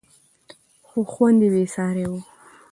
خو خوند یې بېساری و.